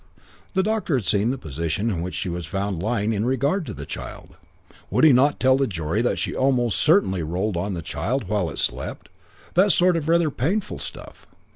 The doctor had seen the position in which she was found lying in regard to the child would he not tell the jury that she almost certainly rolled on to the child while it slept that sort of rather painful stuff.